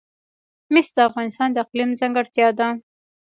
مس د افغانستان د اقلیم ځانګړتیا ده.